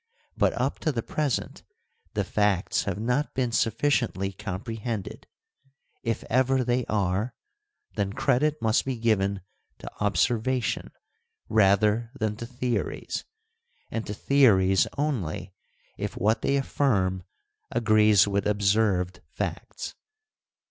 But up to the present the facts have not been sufficiently com prehended ; if ever they are, then credit must be given to observation rather than to theories, and to theories only if what they affirm agrees with observed facts.